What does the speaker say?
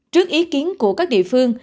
trước ý kiến của các địa phương